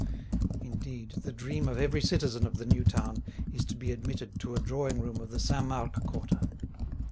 Indeed, the dream of every citizen of the new town is to be admitted to a drawing room of the Saint Marc quarter.